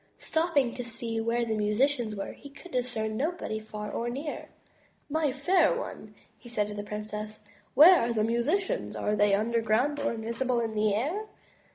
Stopping to see where the musicians were, he could discern no body far or near. My fair one,'' said he to the princess, "where are the musi cians? Are they underground or invisible in the air?"